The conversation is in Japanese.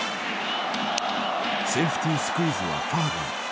セーフティースクイズはファウルに。